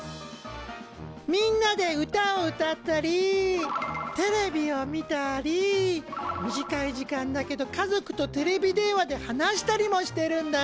みんなで歌を歌ったりテレビを見たり短い時間だけど家族とテレビ電話で話したりもしてるんだよ。